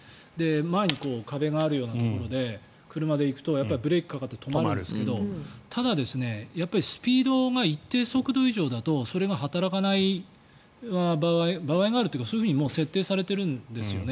前に壁があるようなところで車で行くとブレーキがかかって止まるんですがただ、スピードが一定速度以上だと、それが働かない場合があるというかそういうふうに設定されているんですよね。